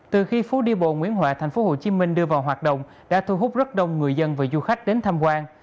từ khi phố đi bộ nguyễn huệ tp hcm đưa vào hoạt động đã thu hút rất đông người dân và du khách đến tham quan